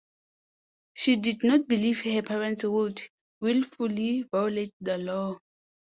She did not believe her parents would willfully violate the law.